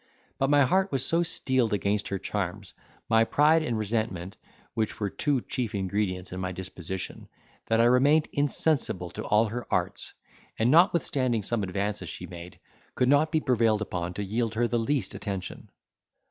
But my heart was so steeled against her charms by pride and resentment, which were two chief ingredients in my disposition, that I remained insensible to all her arts; and notwithstanding some advances she made, could not be prevailed upon to yield her the least attention.